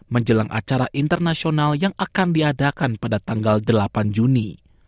menjelang acara internasional yang akan diadakan pada tanggal delapan juni